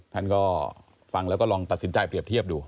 ท่านก็ฟังแล้วก็ลองตัดสินใจเปรียบเทียบดู